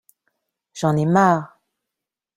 J’en ai marre!